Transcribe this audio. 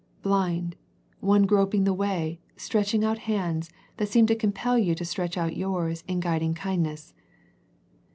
Blind," one groping the way, stretch ing out hands, that seem to compel you to stretch out yours in guiding kindness.